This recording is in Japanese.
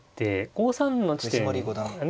５三の地点がね